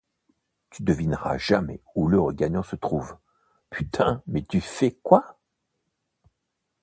Tu devineras jamais où l'heureux gagnant se trouve Putain mais tu fais quoi.